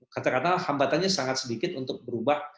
kata kata hambatannya sangat sedikit untuk berubah